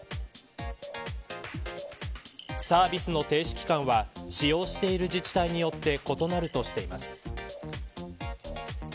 サービスの停止期間は使用している自治体によって異なるとしています。